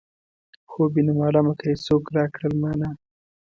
خوب وينم عالمه که یې څوک راکړل مانا.